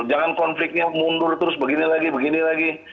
jangan konfliknya mundur terus begini lagi begini lagi